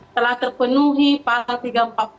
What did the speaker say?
telah terpenuhi pasal tiga ratus empat puluh